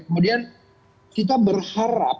kemudian kita berharap